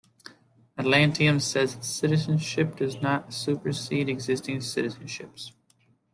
Atlantium says its citizenship does not supersede existing citizenships.